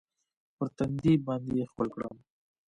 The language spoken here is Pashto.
پر تندي باندې يې ښکل کړم.